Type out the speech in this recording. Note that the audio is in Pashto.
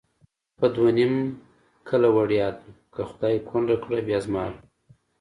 په دوه نیم کله وړیا ده، که خدای کونډه کړه بیا زما ده